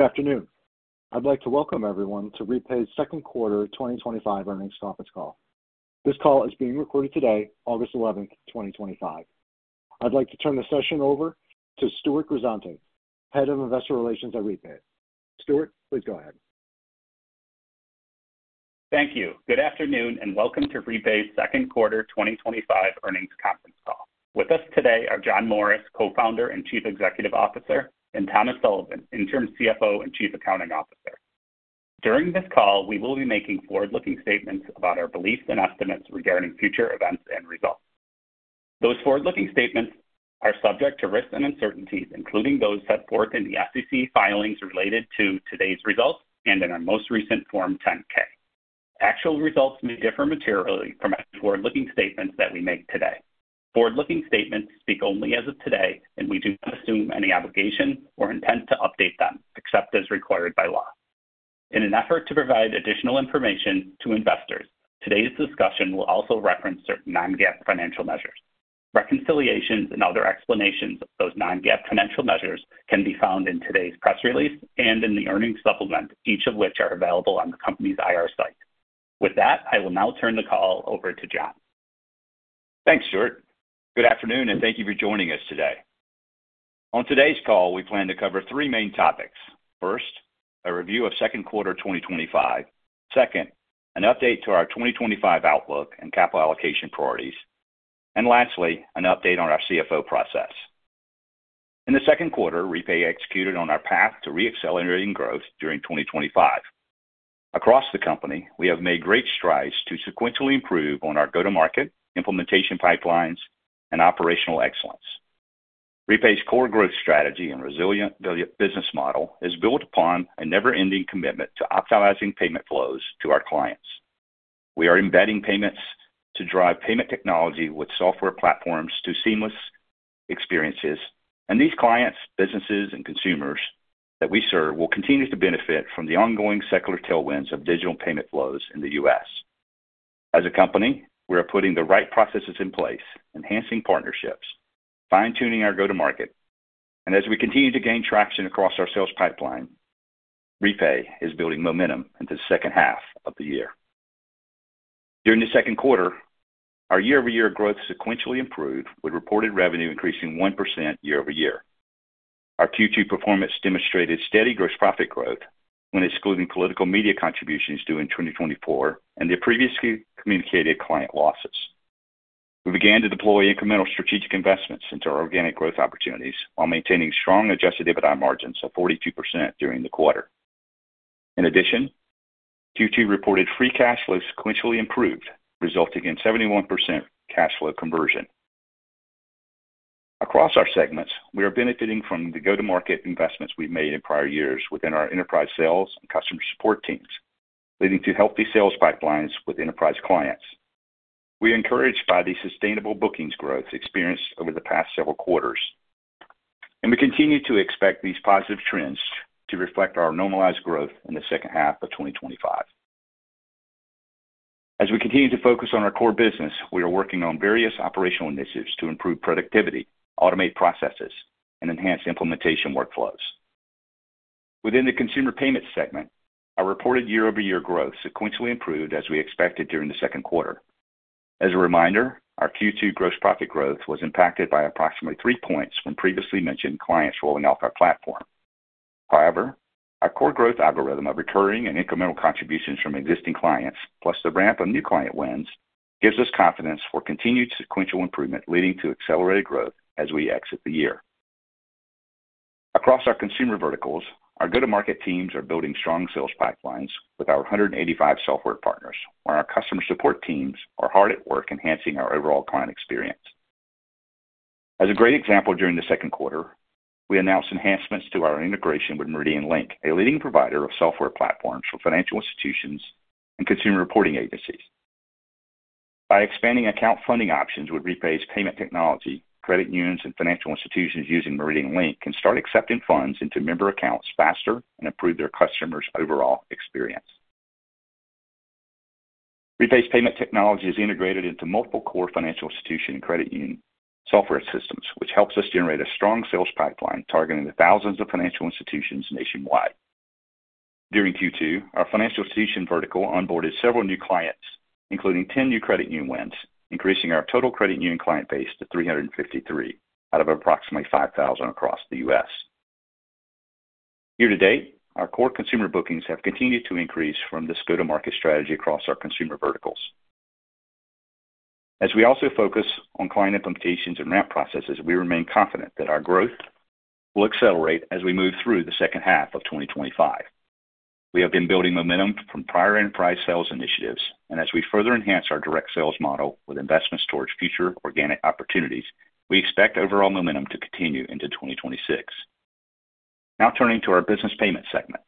Afternoon. I'd like to welcome everyone to REPAY's Second Quarter 2025 Earnings Conference Call. This call is being recorded today, August 11th, 2025. I'd like to turn the session over to Stewart Grisante, Head of Investor Relations at REPAY. Stewart, please go ahead. Thank you. Good afternoon and welcome to REPAY's Second Quarter 2025 Earnings Conference Call. With us today are John Morris, Co-Founder and Chief Executive Officer, and Thomas Sullivan, Interim CFO and Chief Accounting Officer. During this call, we will be making forward-looking statements about our beliefs and estimates regarding future events and results. Those forward-looking statements are subject to risks and uncertainties, including those set forth in the SEC filings related to today's results and in our most recent Form 10-K. Actual results may differ materially from the forward-looking statements that we make today. Forward-looking statements speak only as of today, and we do not assume any obligation or intent to update them, except as required by law. In an effort to provide additional information to investors, today's discussion will also reference certain non-GAAP financial measures. Reconciliations and other explanations of those non-GAAP financial measures can be found in today's press release and in the earnings supplement, each of which is available on the company's IR site. With that, I will now turn the call over to John. Thanks, Stewart. Good afternoon and thank you for joining us today. On today's call, we plan to cover three main topics. First, a review of second quarter 2025. Second, an update to our 2025 outlook and capital allocation priorities. Lastly, an update on our CFO process. In the second quarter, REPAY executed on our path to re-accelerating growth during 2025. Across the company, we have made great strides to sequentially improve on our go-to-market, implementation pipelines, and operational excellence. REPAY's core growth strategy and resilient business model is built upon a never-ending commitment to optimizing payment flows to our clients. We are embedding payments to drive payment technology with software platforms to seamless experiences, and these clients, businesses, and consumers that we serve will continue to benefit from the ongoing secular tailwinds of digital payment flows in the U.S. As a company, we are putting the right processes in place, enhancing partnerships, fine-tuning our go-to-market, and as we continue to gain traction across our sales pipeline, REPAY is building momentum into the second half of the year. During the second quarter, our year-over-year growth sequentially improved, with reported revenue increasing 1% year-over-year. Our Q2 performance demonstrated steady gross profit growth when excluding political media contributions due in 2024 and the previously communicated client losses. We began to deploy incremental strategic investments into our organic growth opportunities while maintaining strong adjusted EBITDA margins of 42% during the quarter. In addition, Q2 reported free cash flow sequentially improved, resulting in 71% cash flow conversion. Across our segments, we are benefiting from the go-to-market investments we've made in prior years within our enterprise sales and customer support teams, leading to healthy sales pipelines with enterprise clients. We are encouraged by the sustainable bookings growth experienced over the past several quarters, and we continue to expect these positive trends to reflect our normalized growth in the second half of 2025. As we continue to focus on our core business, we are working on various operational initiatives to improve productivity, automate processes, and enhance implementation workflows. Within the consumer payments segment, our reported year-over-year growth sequentially improved as we expected during the second quarter. As a reminder, our Q2 gross profit growth was impacted by approximately 3 points when previously mentioned clients rolling off our platform. However, our core growth algorithm of recurring and incremental contributions from existing clients, plus the ramp of new client wins, gives us confidence for continued sequential improvement, leading to accelerated growth as we exit the year. Across our consumer verticals, our go-to-market teams are building strong sales pipelines with our 185 software partners, while our customer support teams are hard at work enhancing our overall client experience. As a great example, during the second quarter, we announced enhancements to our integration with MeridianLink, a leading provider of software platforms for financial institutions and consumer reporting agencies. By expanding account funding options with REPAY's payment technology, credit unions and financial institutions using MeridianLink can start accepting funds into member accounts faster and improve their customers' overall experience. REPAY's payment technology is integrated into multiple core financial institutions and credit union software systems, which helps us generate a strong sales pipeline targeting the thousands of financial institutions nationwide. During Q2, our financial institution vertical onboarded several new clients, including 10 new credit unions, increasing our total credit union client base to 353 out of approximately 5,000 across the U.S. Here today, our core consumer bookings have continued to increase from this go-to-market strategy across our consumer verticals. As we also focus on client implementations and ramp processes, we remain confident that our growth will accelerate as we move through the second half of 2025. We have been building momentum from prior enterprise sales initiatives, and as we further enhance our direct sales model with investments towards future organic opportunities, we expect overall momentum to continue into 2026. Now turning to our business payment segment.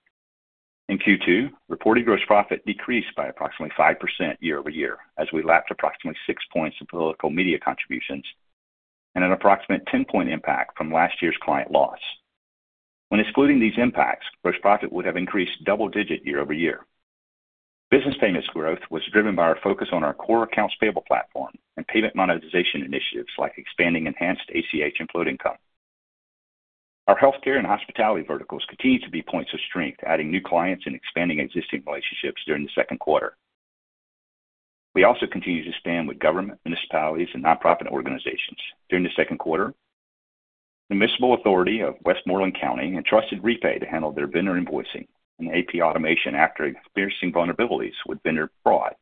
In Q2, reported gross profit decreased by approximately 5% year-over-year as we lapped approximately 6 points of political media contributions and an approximate 10% impact from last year's client loss. When excluding these impacts, gross profit would have increased double-digit year-over-year. Business Payments growth was driven by our focus on our core accounts payable platform and payment monetization initiatives like expanding enhanced ACH [and float income]. Our healthcare and hospitality verticals continue to be points of strength, adding new clients and expanding existing relationships during the second quarter. We also continue to expand with government, municipalities, and nonprofit organizations. During the second quarter, the Municipal Authority of Westmoreland County entrusted REPAY to handle their vendor invoicing and AP automation after experiencing vulnerabilities with vendor fraud.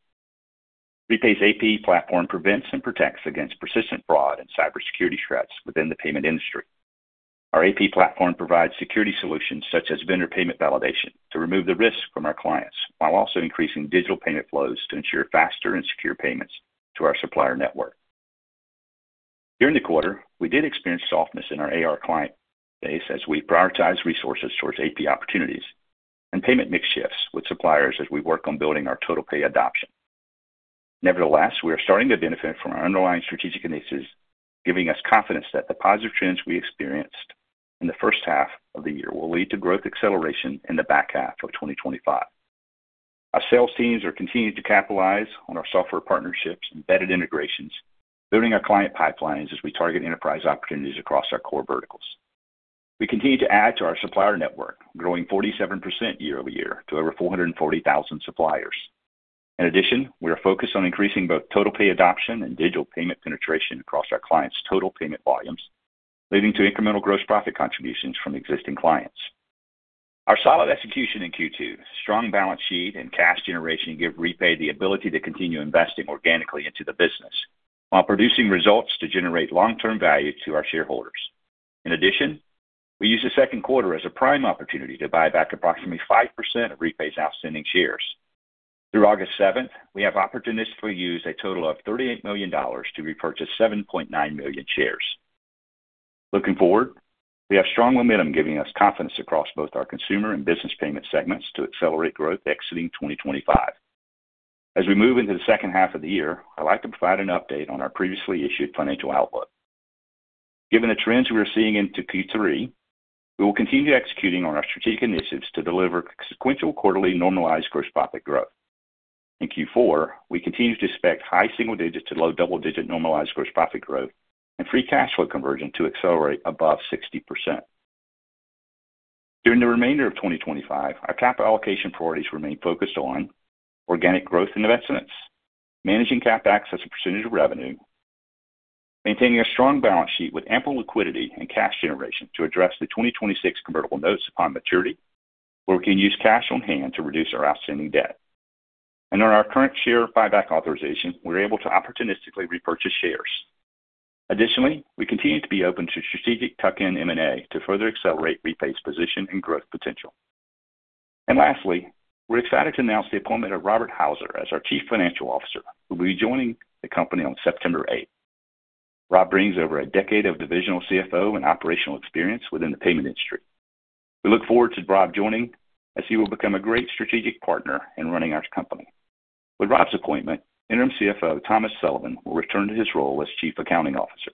REPAY's AP platform prevents and protects against persistent fraud and cybersecurity threats within the payment industry. Our AP platform provides security solutions such as vendor payment validation to remove the risk from our clients while also increasing digital payment flows to ensure faster and secure payments to our supplier network. During the quarter, we did experience softness in our AR client base as we prioritized resources towards AP opportunities and payment mix shifts with suppliers as we work on building our TotalPay adoption. Nevertheless, we are starting to benefit from our underlying strategic initiatives, giving us confidence that the positive trends we experienced in the first half of the year will lead to growth acceleration in the back half of 2025. Our sales teams are continuing to capitalize on our software partnerships and embedded integrations, building our client pipelines as we target enterprise opportunities across our core verticals. We continue to add to our supplier network, growing 47% year-over-year to over 440,000 suppliers. In addition, we are focused on increasing both TotalPay adoption and digital payment penetration across our clients' total payment volumes, leading to incremental gross profit contributions from existing clients. Our solid execution in Q2, strong balance sheet and cash generation give REPAY the ability to continue investing organically into the business while producing results to generate long-term value to our shareholders. In addition, we used the second quarter as a prime opportunity to buy back approximately 5% of REPAY's outstanding shares. Through August 7th, we have opportunistically used a total of $38 million to repurchase 7.9 million shares. Looking forward, we have strong momentum giving us confidence across both our consumer and business payment segments to accelerate growth exiting 2025. As we move into the second half of the year, I'd like to provide an update on our previously issued financial outlook. Given the trends we are seeing into Q3, we will continue executing on our strategic initiatives to deliver sequential quarterly normalized gross profit growth. In Q4, we continue to expect high single-digit to low double-digit normalized gross profit growth and free cash flow conversion to accelerate above 60%. During the remainder of 2025, our capital allocation priorities remain focused on organic growth and investments, managing capital access and percentage of revenue, maintaining a strong balance sheet with ample liquidity and cash generation to address the 2026 convertible note upon maturity, where we can use cash on hand to reduce our outstanding debt. On our current share buyback authorization, we're able to opportunistically repurchase shares. Additionally, we continue to be open to strategic tuck-in M&A to further accelerate REPAY's position and growth potential. Lastly, we're excited to announce the appointment of Robert Houser as our Chief Financial Officer, who will be joining the company on September 8th. Rob brings over a decade of divisional CFO and operational experience within the payment industry. We look forward to Rob joining as he will become a great strategic partner in running our company. With Rob's appointment, Interim CFO Thomas Sullivan will return to his role as Chief Accounting Officer.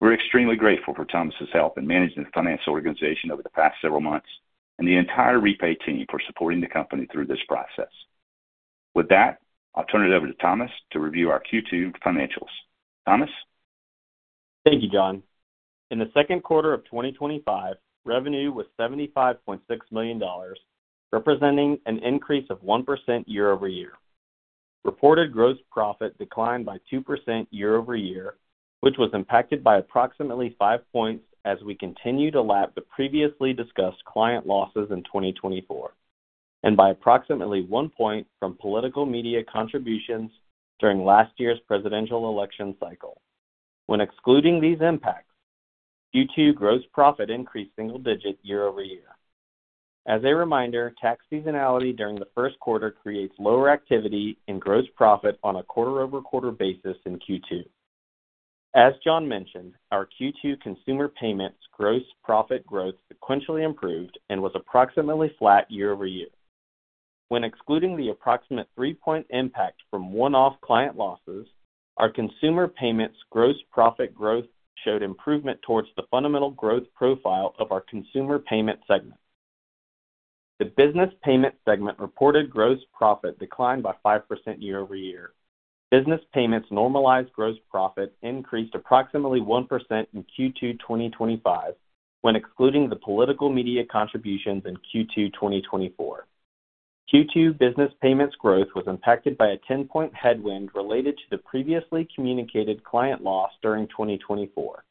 We're extremely grateful for Thomas's help in managing the finance organization over the past several months and the entire REPAY team for supporting the company through this process. With that, I'll turn it over to Thomas to review our Q2 financials. Thomas? Thank you, John. In the second quarter of 2025, revenue was $75.6 million, representing an increase of 1% year-over-year. Reported gross profit declined by 2% year-over-year, which was impacted by approximately five points as we continue to lap the previously discussed client losses in 2024 and by approximately one point from political media contributions during last year's presidential election cycle. When excluding these impacts, Q2 gross profit increased single-digit year-over-year. As a reminder, tax seasonality during the first quarter creates lower activity in gross profit on a quarter-over-quarter basis in Q2. As John mentioned, our Q2 consumer payments gross profit growth sequentially improved and was approximately flat year-over-year. When excluding the approximate three-point impact from one-off client losses, our consumer payments gross profit growth showed improvement towards the fundamental growth profile of our consumer payments segment. The Business Payments segment reported gross profit declined by 5% year-over-year. Business Payments normalized gross profit increased approximately 1% in Q2 2025 when excluding the political media contributions in Q2 2024. Q2 Business Payments growth was impacted by a 10-point headwind related to the previously communicated client loss during 2024.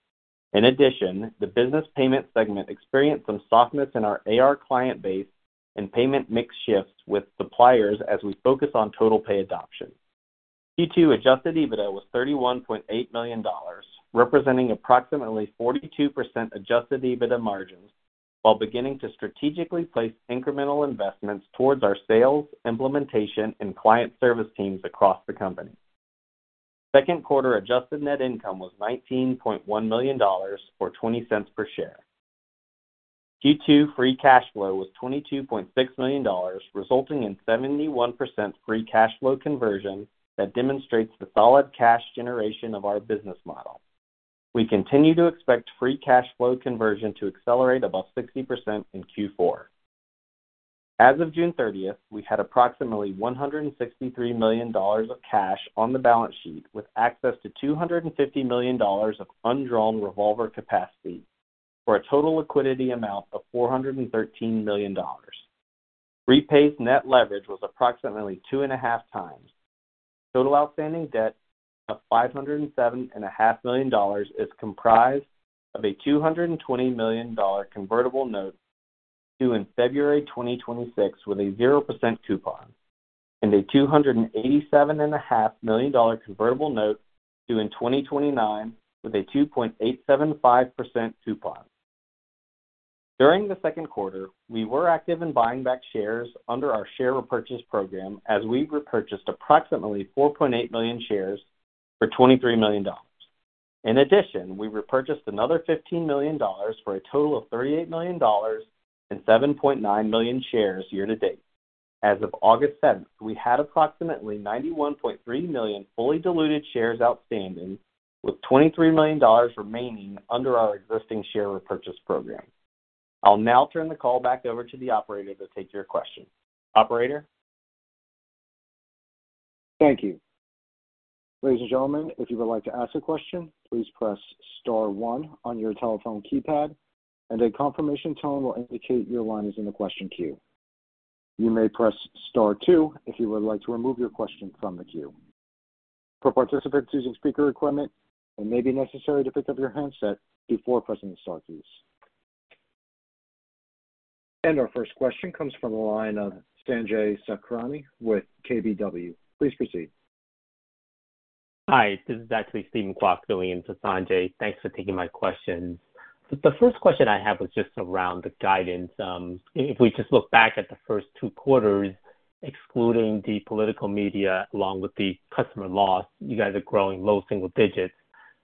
In addition, the Business Payments segment experienced some softness in our AR client base and payment mix shifts with suppliers as we focus on TotalPay adoption. Q2 adjusted EBITDA was $31.8 million, representing approximately 42% adjusted EBITDA margins while beginning to strategically place incremental investments towards our sales, implementation, and client service teams across the company. Second quarter adjusted net income was $19.1 million or $0.20 per share. Q2 free cash flow was $22.6 million, resulting in 71% free cash flow conversion that demonstrates the solid cash generation of our business model. We continue to expect free cash flow conversion to accelerate above 60% in Q4. As of June 30th, we had approximately $163 million of cash on the balance sheet with access to $250 million of undrawn revolver capacity for a total liquidity amount of $413 million. REPAY's net leverage was approximately 2.5x. Total outstanding debt of $507.5 million is comprised of a $220 million convertible note due in February 2026 with a 0% coupon and a $287.5 million convertible note due in 2029 with a 2.875% coupon. During the second quarter, we were active in buying back shares under our share repurchase program as we repurchased approximately 4.8 million shares for $23 million. In addition, we repurchased another $15 million for a total of $38 million and 7.9 million shares year to date. As of August 7th, we had approximately 91.3 million fully diluted shares outstanding with $23 million remaining under our existing share repurchase program. I'll now turn the call back over to the operator to take your question. Operator? Thank you. Ladies and gentlemen, if you would like to ask a question, please press star one on your telephone keypad, and a confirmation tone will indicate your line is in the question queue. You may press star two if you would like to remove your question from the queue. For participants using speaker equipment, it may be necessary to pick up your handset before pressing the star keys. Our first question comes from the line of Sanjay Sakhrani with KBW. Please proceed. Hi, this is actually Steven Kwok filling in for Sanjay. Thanks for taking my question. The first question I have was just around the guidance. If we just look back at the first two quarters, excluding the political media along with the customer loss, you guys are growing low single digits,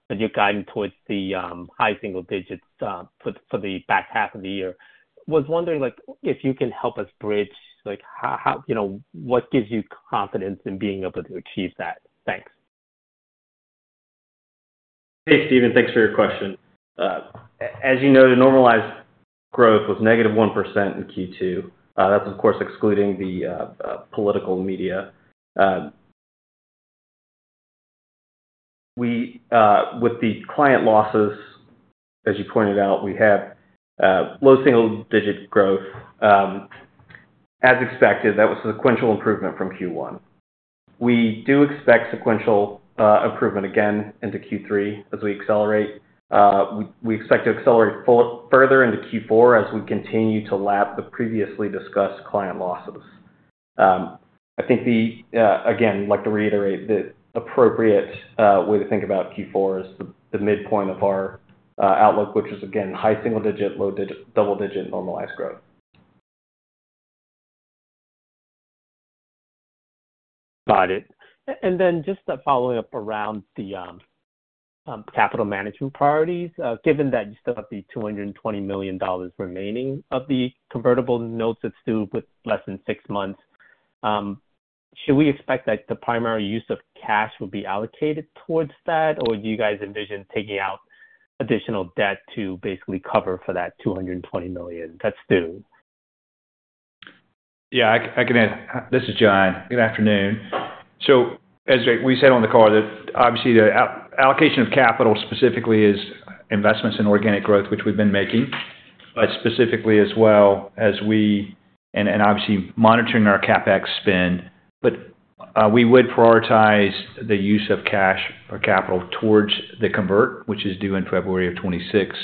but you're guiding towards the high single digits for the back half of the year. I was wondering if you can help us bridge, like how, you know, what gives you confidence in being able to achieve that? Thanks. Hey, Steven, thanks for your question. As you know, the normalized growth was negative 1% in Q2. That's, of course, excluding the political media. With the client losses, as you pointed out, we have low single digit growth. As expected, that was a sequential improvement from Q1. We do expect sequential improvement again into Q3 as we accelerate. We expect to accelerate further into Q4 as we continue to lap the previously discussed client losses. I think, again, like to reiterate, the appropriate way to think about Q4 is the midpoint of our outlook, which is, again, high single digit, low double digit normalized growth. Got it. Just following up around the capital management priorities, given that you still have the $220 million remaining of the convertible note that's due with less than six months, should we expect that the primary use of cash will be allocated towards that, or do you guys envision taking out additional debt to basically cover for that $220 million that's due? Yeah, I can add, this is John. Good afternoon. As we said on the call, obviously the allocation of capital specifically is investments in organic growth, which we've been making, specifically as well as monitoring our CapEx spend. We would prioritize the use of cash or capital towards the convertible note, which is due in February 2026.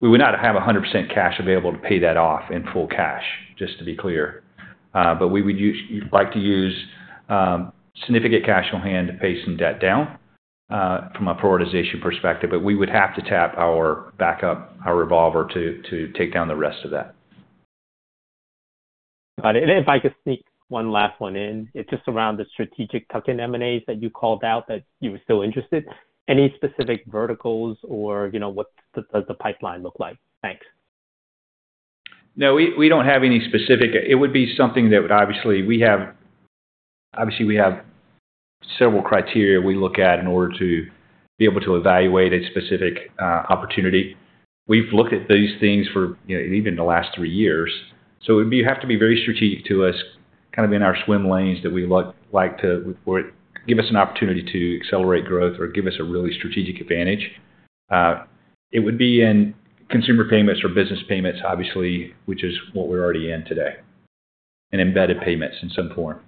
We would not have 100% cash available to pay that off in full cash, just to be clear. We would like to use significant cash on hand to pay some debt down from a prioritization perspective, but we would have to tap our backup, our revolver capacity, to take down the rest of that. If I could sneak one last one in, it's just around the strategic tuck-in M&A that you called out that you were still interested. Any specific verticals or, you know, what does the pipeline look like? Thanks. No, we don't have any specific. It would be something that would, obviously, we have several criteria we look at in order to be able to evaluate a specific opportunity. We've looked at those things for, you know, even the last three years. It would have to be very strategic to us, kind of in our swim lanes that we look at to give us an opportunity to accelerate growth or give us a really strategic advantage. It would be in consumer payments or Business Payments, obviously, which is what we're already in today, and embedded payments in some form.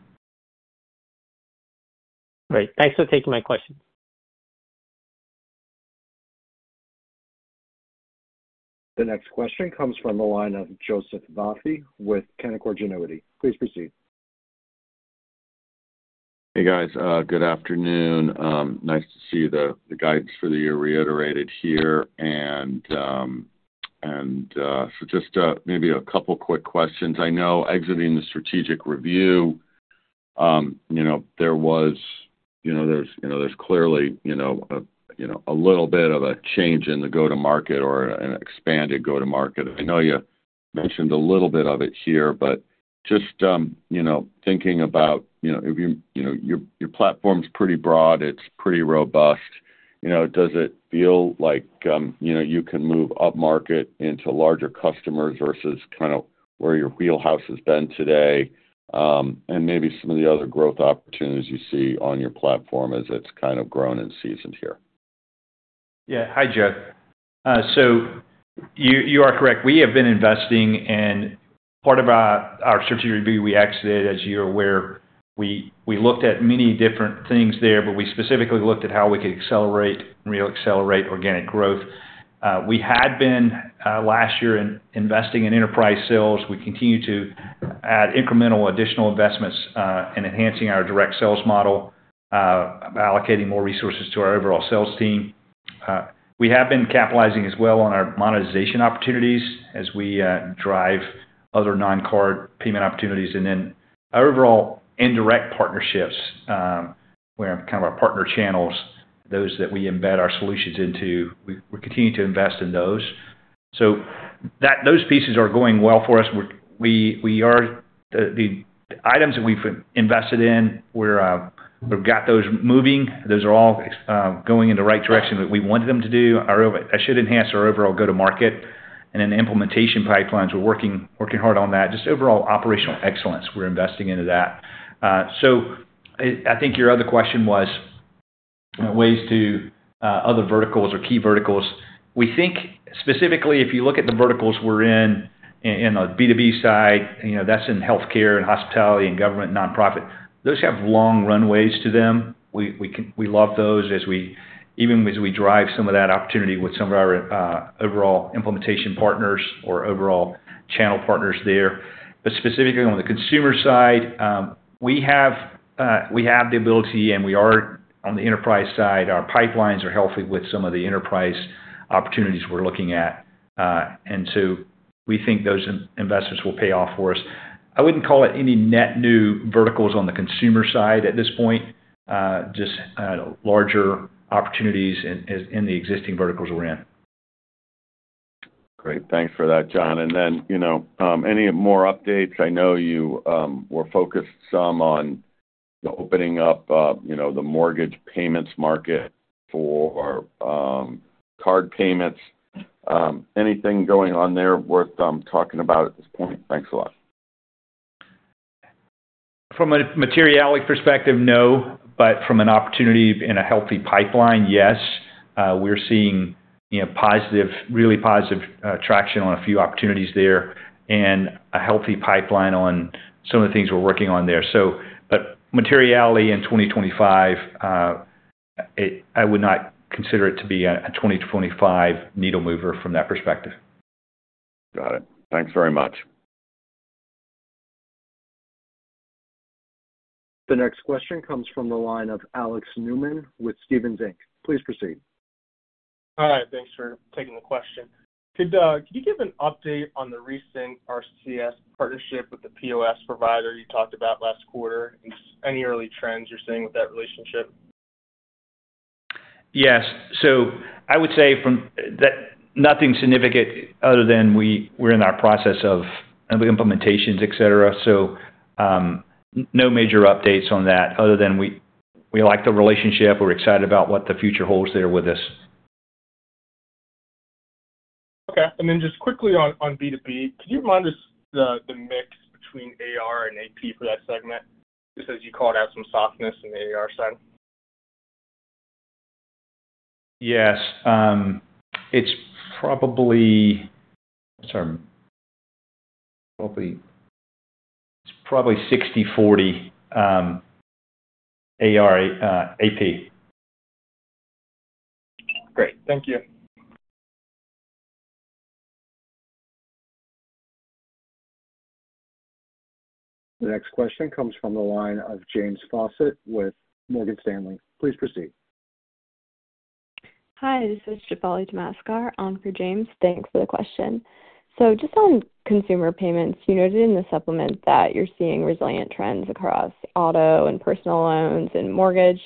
Great. Thanks for taking my question. The next question comes from the line of Joseph Vafi with Canaccord Genuity. Please proceed. Hey guys, good afternoon. Nice to see the guidance for the year reiterated here. Just maybe a couple quick questions. I know exiting the strategic review, there was clearly a little bit of a change in the go-to-market or an expanded go-to-market. I know you mentioned a little bit of it here, but just thinking about your platform's pretty broad, it's pretty robust. Does it feel like you can move up market into larger customers versus kind of where your wheelhouse has been today? Maybe some of the other growth opportunities you see on your platform as it's kind of grown and seasoned here. Yeah, hi Joe. You are correct. We have been investing in part of our strategic review we exited. As you're aware, we looked at many different things there, but we specifically looked at how we could accelerate and really accelerate organic growth. We had been, last year, investing in enterprise sales. We continue to add incremental additional investments, and enhancing our direct sales model, allocating more resources to our overall sales team. We have been capitalizing as well on our monetization opportunities as we drive other non-card payment opportunities and then our overall indirect partnerships, where kind of our partner channels, those that we embed our solutions into, we're continuing to invest in those. Those pieces are going well for us. The items that we've invested in, we've got those moving. Those are all going in the right direction that we wanted them to do. That should enhance our overall go-to-market and then the implementation pipelines. We're working hard on that. Just overall operational excellence, we're investing into that. I think your other question was, you know, ways to, other verticals or key verticals. We think specifically if you look at the verticals we're in, in the B2B side, that's in healthcare and hospitality and government nonprofit. Those have long runways to them. We love those as we, even as we drive some of that opportunity with some of our overall implementation partners or overall channel partners there. Specifically on the consumer side, we have the ability and we are on the enterprise side. Our pipelines are healthy with some of the enterprise opportunities we're looking at, and we think those investments will pay off for us. I wouldn't call it any net new verticals on the consumer side at this point, just larger opportunities in the existing verticals we're in. Great, thanks for that, John. Any more updates? I know you were focused some on the opening up, you know, the mortgage payments market pool or card payments. Anything going on there worth talking about at this point? Thanks a lot. From a materiality perspective, no, but from an opportunity in a healthy pipeline, yes. We're seeing, you know, positive, really positive traction on a few opportunities there and a healthy pipeline on some of the things we're working on there. Materiality in 2025, I would not consider it to be a 2025 needle mover from that perspective. Got it. Thanks very much. The next question comes from the line of Alex Neumann with Stephens, Inc. Please proceed. Hi, thanks for taking the question. Could you give an update on the recent RCS partnership with the POS provider you talked about last quarter, and just any early trends you're seeing with that relationship? Yes, I would say from that nothing significant other than we're in our process of implementations, etc. No major updates on that other than we like the relationship. We're excited about what the future holds there with us. Okay, and then just quickly on B2B, could you remind us the mix between AR and AP for that segment? Just as you called out some softness in the AR side. Yes, it's probably 60/40, AR AP. Great, thank you. The next question comes from the line of James Fawcett with Morgan Stanley. Please proceed. Hi, this is Shefali Tamaskar on for James. Thanks for the question. Just on consumer payments, you noted in the supplement that you're seeing resilient trends across auto and personal loans and mortgage,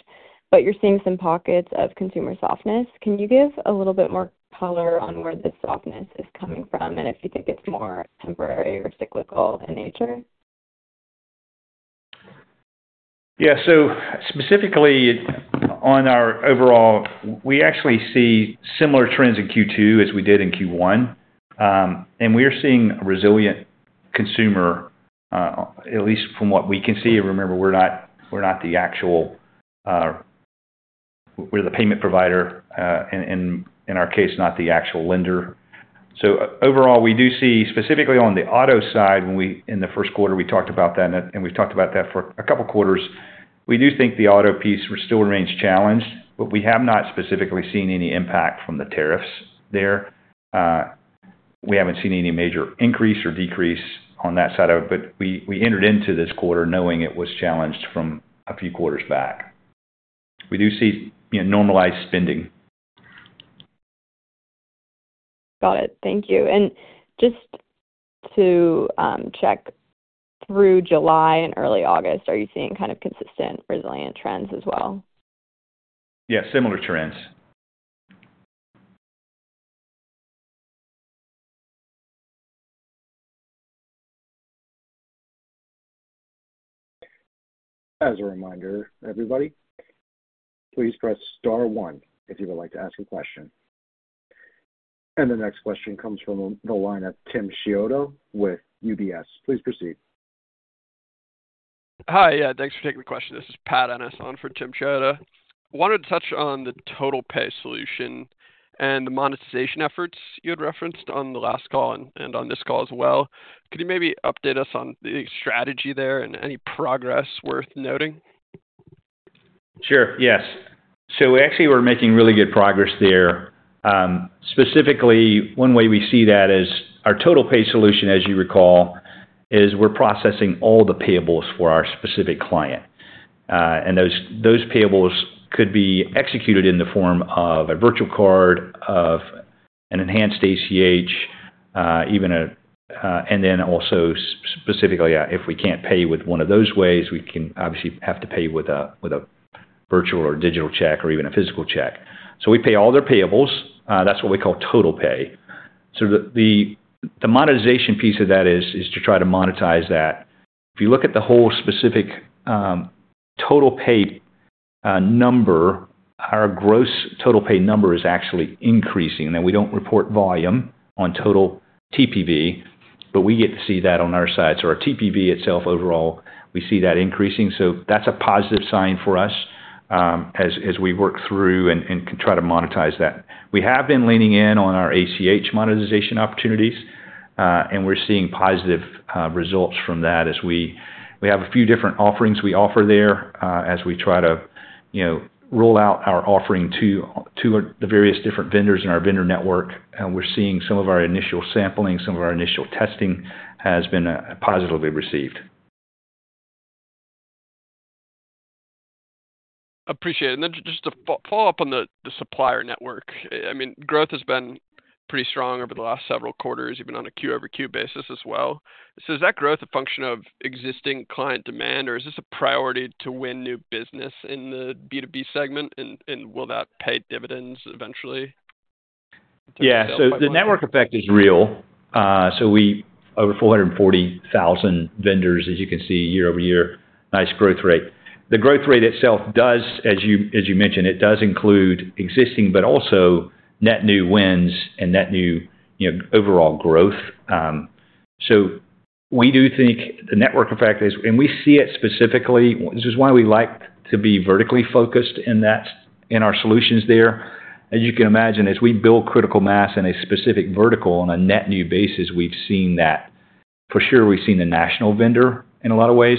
but you're seeing some pockets of consumer softness. Can you give a little bit more color on where this softness is coming from and if you think it's more temporary or cyclical in nature? Yeah, specifically on our overall, we actually see similar trends in Q2 as we did in Q1. We are seeing a resilient consumer, at least from what we can see. Remember, we're not the actual, we're the payment provider and in our case, not the actual lender. Overall, we do see specifically on the auto side, when we in the first quarter, we talked about that and we've talked about that for a couple of quarters. We do think the auto piece still remains challenged, but we have not specifically seen any impact from the tariffs there. We haven't seen any major increase or decrease on that side of it, but we entered into this quarter knowing it was challenged from a few quarters back. We do see, you know, normalized spending. Got it. Thank you. Just to check, through July and early August, are you seeing kind of consistent, resilient trends as well? Yeah, similar trends. As a reminder, everybody, please press star one if you would like to ask a question. The next question comes from the line of Tim Chiodo with UBS. Please proceed. Hi, yeah, thanks for taking the question. This is Pat Ennis on for Tim Chiodo. I wanted to touch on the TotalPay solution and the monetization efforts you had referenced on the last call and on this call as well. Could you maybe update us on the strategy there and any progress worth noting? Sure, yes. We actually were making really good progress there. Specifically, one way we see that is our TotalPay solution, as you recall, is we're processing all the payables for our specific client, and those payables could be executed in the form of a virtual card, an enhanced ACH, even a, and then also specifically, if we can't pay with one of those ways, we obviously have to pay with a virtual or digital check or even a physical check. We pay all their payables. That's what we call TotalPay. The monetization piece of that is to try to monetize that. If you look at the whole specific TotalPay number, our gross TotalPay number is actually increasing. We don't report volume on total TPV, but we get to see that on our side. Our TPV itself overall, we see that increasing. That's a positive sign for us as we work through and can try to monetize that. We have been leaning in on our ACH monetization opportunities, and we're seeing positive results from that as we have a few different offerings we offer there as we try to roll out our offering to the various different vendors in our supplier network. We're seeing some of our initial sampling, some of our initial testing has been positively received. Appreciate it. Just to follow up on the supplier network, growth has been pretty strong over the last several quarters, even on a Q-over Q basis as well. Is that growth a function of existing client demand, or is this a priority to win new business in the B2B segment, and will that pay dividends eventually? Yeah, the network effect is real. We have over 440,000 vendors, as you can see, year-over-year, nice growth rate. The growth rate itself does, as you mentioned, include existing but also net new wins and net new, you know, overall growth. We do think the network effect is, and we see it specifically. This is why we like to be vertically focused in our solutions there. As you can imagine, as we build critical mass in a specific vertical on a net new basis, we've seen that for sure. We've seen a national vendor in a lot of ways.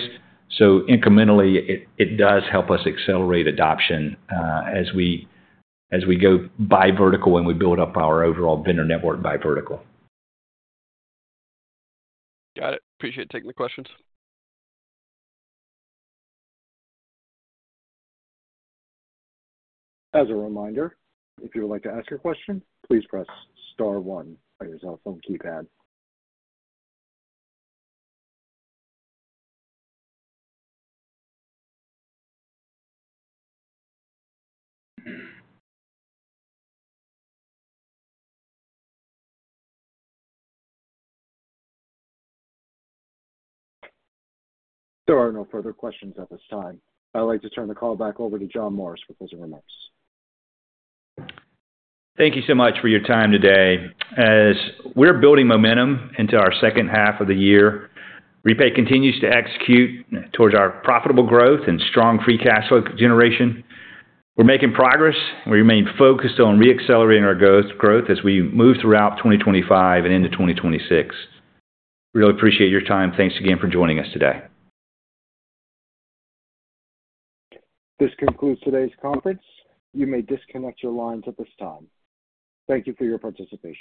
Incrementally, it does help us accelerate adoption as we go by vertical and we build up our overall vendor network by vertical. Got it. Appreciate taking the questions. As a reminder, if you would like to ask a question, please press star one on your cell phone keypad. There are no further questions at this time. I'd like to turn the call back over to John Morris with his remarks. Thank you so much for your time today. As we're building momentum into our second half of the year, REPAY continues to execute towards our profitable growth and strong free cash flow generation. We're making progress, and we remain focused on re-accelerating our growth as we move throughout 2025 and into 2026. Really appreciate your time. Thanks again for joining us today. This concludes today's conference. You may disconnect your lines at this time. Thank you for your participation.